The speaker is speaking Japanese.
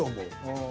ああ。